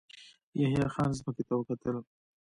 يحيی خان ځمکې ته وکتل.